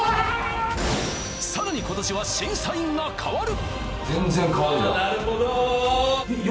更に今年は審査員が変わる！